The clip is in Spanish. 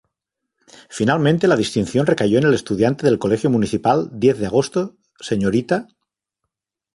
Finalmente la distinción recayó en la estudiante del colegio municipal Diez de Agosto Srta.